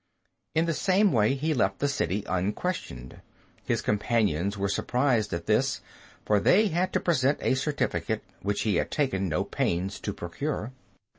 In the same way he left the city unquestioned. His companions were surprised at this, for they had to present a certificate, which he had taken no pains to procure.